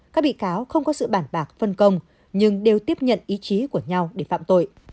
các bị cáo không có sự bản bạc phân công nhưng đều tiếp nhận ý chí của nhau để phạm tội